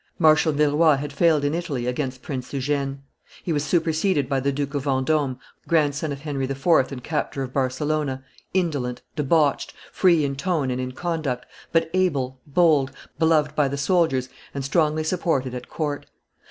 Marshal Villeroi had failed in Italy against Prince Eugene. He was superseded by the Duke of Vendome, grandson of Henry IV. and captor of Barcelona, indolent, debauched, free in tone and in conduct, but able, bold, beloved by the soldiers, and strongly supported at court.